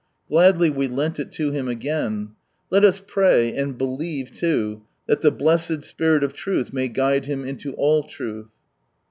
Gladly we lent it to him again. Let us pray, and belitve too, that the blessed Spirit of truth may guide him into all truth.